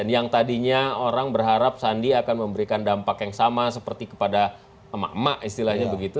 yang tadinya orang berharap sandi akan memberikan dampak yang sama seperti kepada emak emak istilahnya begitu